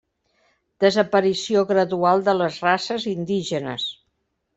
Desaparició gradual de les races indígenes.